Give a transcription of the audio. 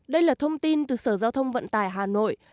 đây là thông tin từ sở giao thông vận tải hà nội